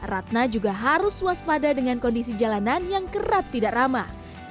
ratna juga harus waspada dengan kondisi jalanan yang kerap tidak ramah